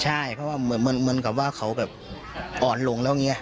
ใช่เพราะว่าเหมือนกับว่าแบบอ่อนหลงแล้วเนี่ย